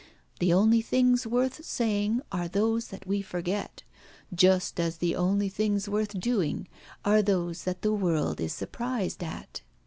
The only things worth saying are those that we forget, just as the only things worth doing are those that the world is surprised at!"